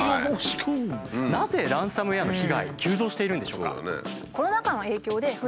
なぜランサムウエアの被害急増しているんでしょうか？